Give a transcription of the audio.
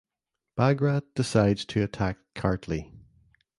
Bagrat decides to attack Kartli.